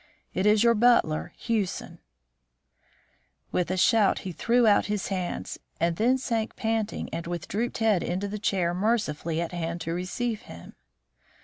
It is your butler, Hewson " With a shout he threw out his hands, and then sank panting and with drooped head into the chair mercifully at hand to receive him.